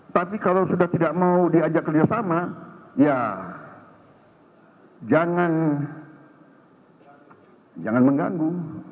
tapi kalau sudah tidak mau diajak kerjasama ya jangan mengganggu